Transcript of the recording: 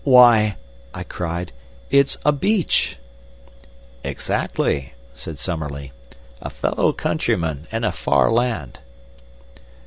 "Why," I cried, "it's a beech!" "Exactly," said Summerlee. "A fellow countryman in a far land."